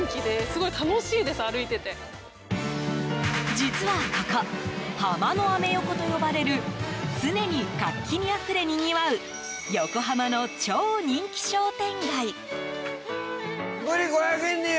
実はここハマのアメ横と呼ばれる常に活気にあふれ、にぎわう横浜の超人気商店街。